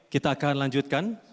kita akan lanjutkan